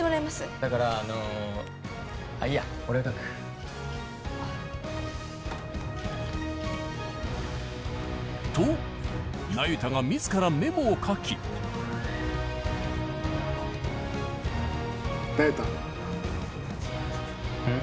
だからあのあっと那由他が自らメモを書きうん？